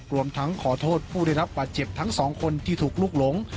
รวมทั้งขอโทษผู้ได้รับบาดเจ็บทั้งสองคนที่ถูกลุกหลง